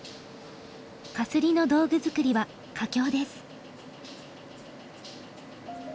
かすりの道具作りは佳境です。